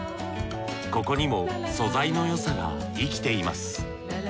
ここにも素材のよさが生きています。